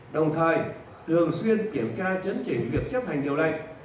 đồng thời thường xuyên kiểm tra chấn chỉnh việc chấp hành điều này